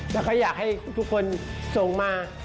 และเขาอยากให้ทุกคนทรงมา